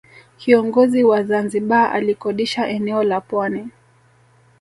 Kiongozi wa Zanzibar alikodisha eneo la pwani